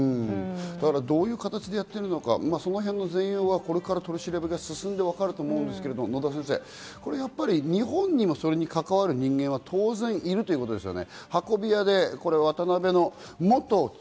どういう形でやっているのか、全容はこれから取り調べが進んでわかると思いますが、野田先生、日本にも関わる人間は当然いるということですよね。